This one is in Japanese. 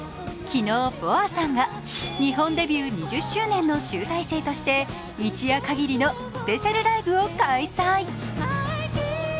昨日、ＢｏＡさんが日本デビュー２０周年の集大成として一夜かぎりのスペシャルライブを開催。